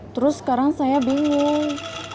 terus sekarang saya bingung